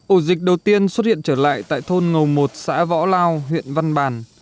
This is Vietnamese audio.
ổ dịch đầu tiên xuất hiện trở lại tại thôn ngầu một xã võ lao huyện văn bàn